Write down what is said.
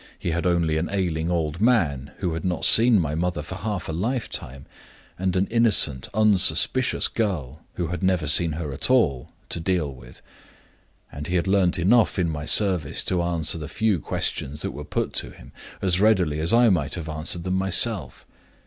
He had only an ailing old man (who had not seen my mother for half a lifetime) and an innocent, unsuspicious girl (who had never seen her at all) to deal with; and he had learned enough in my service to answer the few questions that were put to him as readily as I might have answered them myself.